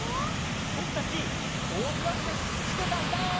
ぼくたちポーズがっせんしてたんだ！